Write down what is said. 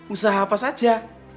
usaha apa saja